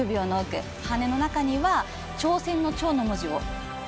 羽の中には挑戦の「挑」の文字を。